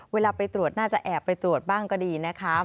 เวลาไปตรวจน่าจะแอบไปตรวจบ้างก็ดีนะคะ